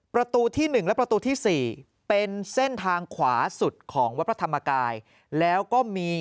ประตูที่๑และประตูที่๔เป็นเส้นทางขวาสุดของวัดพระธรรมกายแล้วก็มี